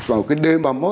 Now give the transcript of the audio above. rồi cái đêm ba mươi một